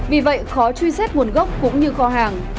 vì vậy khó truy xét nguồn gốc cũng như kho hàng